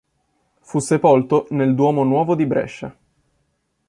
Fu sepolto nel Duomo nuovo di Brescia.